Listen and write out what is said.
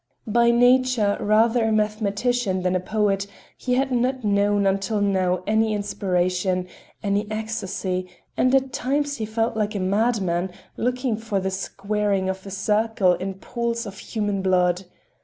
By nature rather a mathematician than a poet, he had not known until now any inspiration, any ecstasy and at times he felt like a madman, looking for the squaring of a circle in pools of human blood.